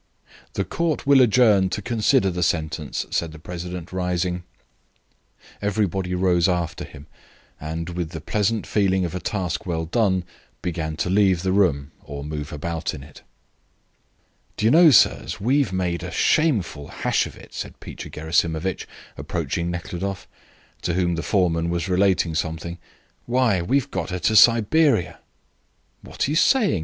"The Court will adjourn to consider the sentence," said the president, rising. Everybody rose after him, and with the pleasant feeling of a task well done began to leave the room or move about in it. "D'you know, sirs, we have made a shameful hash of it?" said Peter Gerasimovitch, approaching Nekhludoff, to whom the foreman was relating something. "Why, we've got her to Siberia." "What are you saying?"